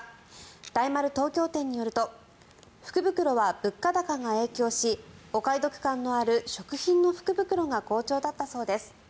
大丸東京店によると福袋は物価高が影響しお買い得感のある食品の福袋が好調だったそうです。